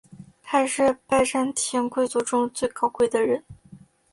他是拜占庭贵族中最高贵的人。